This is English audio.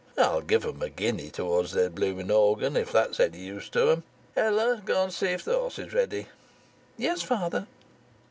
I'll give 'em a guinea towards their blooming organ if that's any use to 'em. Ella, go and see if the horse is ready." "Yes, father."